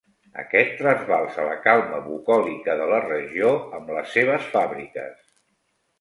Aquest trasbalsa la calma bucòlica de la regió amb les seves fàbriques.